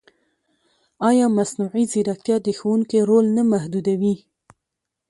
ایا مصنوعي ځیرکتیا د ښوونکي رول نه محدودوي؟